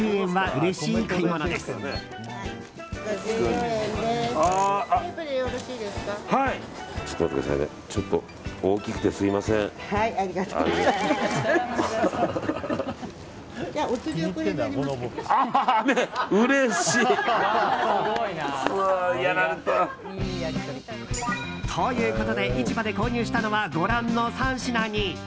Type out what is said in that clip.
うれしい！ということで市場で購入したのはご覧の３品に。